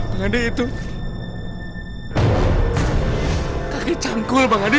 eh kakek cangkul bang adi